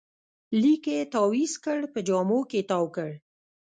لیک یې تاویز کړ، په جامو کې تاوکړ